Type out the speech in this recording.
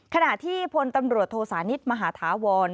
ขณะที่พลตำรวจโทสานิทมหาธาวร